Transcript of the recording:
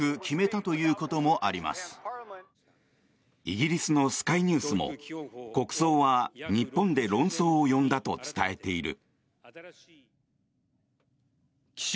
イギリスのスカイニュースも国葬は、日本で論争を呼んだと伝えている。